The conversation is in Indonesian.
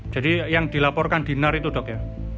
jadi yang dilaporkan di nar itu dok ya